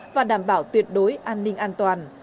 và đảm bảo tuyệt đối an ninh an toàn